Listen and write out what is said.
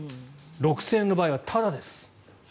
６０００円の場合はタダです。